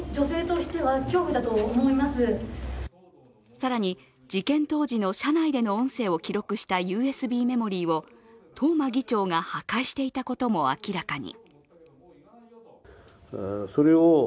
更に、事件当時の車内での音声を記録したＵＳＢメモリーを東間議長が破壊していたことも明らかに。